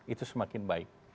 itu semakin baik